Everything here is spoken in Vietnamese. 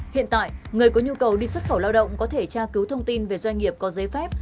hiện tại người có nhu cầu đi xuất khẩu lao động có thể tra cứu thông tin về doanh nghiệp có giấy phép